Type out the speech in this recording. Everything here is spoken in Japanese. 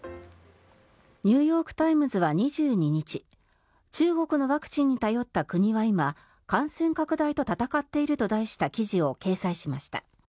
ニューヨーク・タイムズは２２日中国のワクチンに頼った国は今感染拡大と闘っていると題した記事を掲載しました。